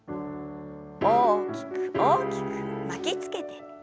大きく大きく巻きつけて。